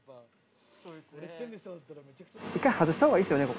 一回外した方がいいですよね？